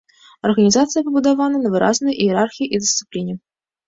Арганізацыя пабудавана на выразнай іерархіі і дысцыпліне.